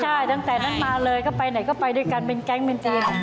ใช่ตั้งแต่นั้นมาเลยก็ไปไหนก็ไปด้วยกันเป็นแก๊งเป็นจีน